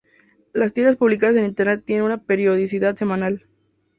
Las tiras publicadas en internet tienen una periodicidad semanal.